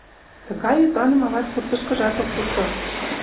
Тыгай ӱпаным ават суртышкыжат ок пурто.